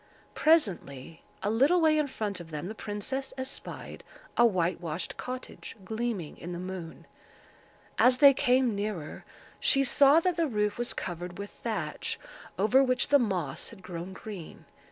Presently, a little way in front of them, the princess espied a whitewashed cottage, gleaming in the moon. As they came nearer, she saw that the roof was covered with thatch, over which the moss had grown green.